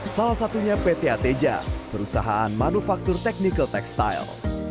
salah satunya pt atj perusahaan manufaktur teknikal tekstil